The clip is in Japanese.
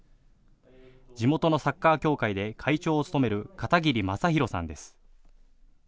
地元のサッカー協会で会長を務める片桐正広さんです。